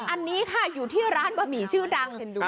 อันนี้ค่ะอยู่ที่ร้านบะหมี่ชื่อดัง